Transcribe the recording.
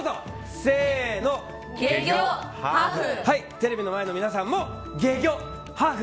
テレビの前の皆さんも懸魚・破風。